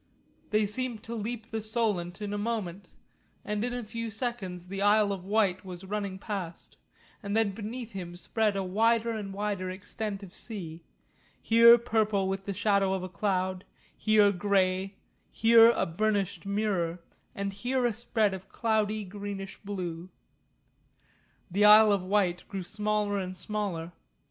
They seemed to leap the Solent in a moment, and in a few seconds the Isle of Wight was running past, and then beneath him spread a wider and wider extent of sea, here purple with the shadow of a cloud, here grey, here a burnished mirror, and here a spread of cloudy greenish blue. The Isle of Wight grew smaller and smaller.